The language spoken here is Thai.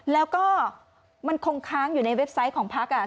แล้วก็มันคงค้างอยู่ในเว็บไซต์ของพักอ่ะ